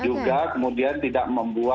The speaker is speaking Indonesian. juga kemudian tidak memungkinkan